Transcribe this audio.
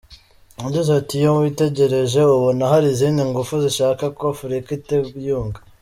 Yagize ati “Iyo witegereje ubona hari izindi ngufu zishaka ko Afurika itiyunga.